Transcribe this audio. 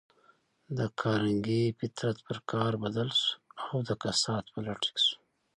د کارنګي فطرت پر قهر بدل شو او د کسات په لټه کې شو.